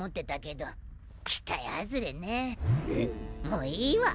もういいわ！